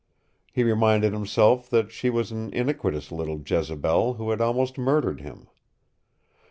He reminded himself that she was an iniquitous little Jezebel who had almost murdered him.